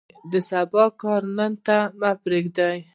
د سبا کار نن ته مه پرېږدئ.